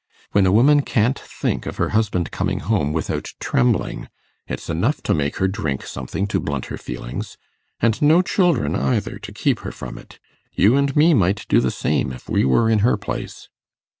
When a woman can't think of her husband coming home without trembling, it's enough to make her drink something to blunt her feelings and no children either, to keep her from it. You and me might do the same, if we were in her place.